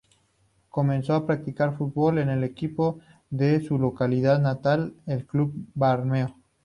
Comenzó a practicar fútbol en el equipo de su localidad natal, el Club Bermeo.